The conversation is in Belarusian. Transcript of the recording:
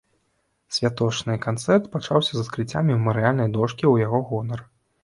Святочны канцэрт пачаўся з адкрыцця мемарыяльнай дошкі ў яго гонар.